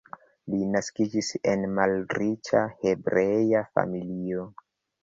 Li naskiĝis en malriĉa hebrea familio.